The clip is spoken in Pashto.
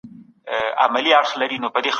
جرګه د ولسمشر کارونه څنګه څیړي؟